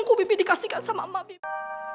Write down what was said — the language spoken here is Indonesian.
aku bibi dikasihkan sama mbak bibi